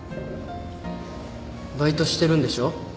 バイトしてるんでしょ？